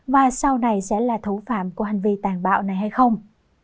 và sau này sẽ là thủ phạm của hành vi tàn bạo này hay không